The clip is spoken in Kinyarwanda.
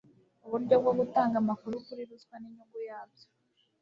uburyo bwo gutanga amakuru kuri ruswa n'inyungu yabyo